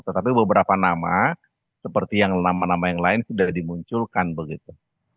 tetapi beberapa nama seperti yang nama nama yang lain sudah dimunculkan begitu